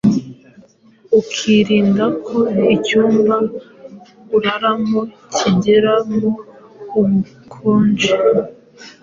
ukirinda ko icyumba uraramo kigeramo ubukonje